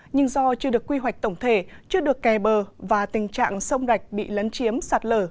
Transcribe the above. nhưng do chưa được quy hoạch tổng thể chưa được kè bờ và tình trạng sông rạch bị lấn chiếm sạt lở